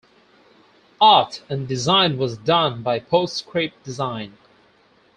Art and design was done by PostScript Design.